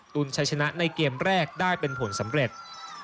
ตุ้นใช้ชนะในเกมแรกได้เป็นผลสำเร็จ